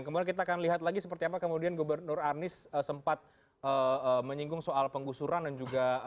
kemudian kita akan lihat lagi seperti apa kemudian gubernur anies sempat menyinggung soal penggusuran dan juga